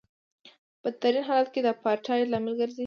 په بدترین حالت کې د اپارټایډ لامل ګرځي.